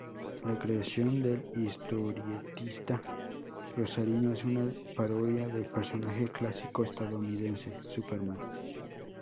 La creación del historietista rosarino es una parodia del personaje clásico estadounidense "Superman".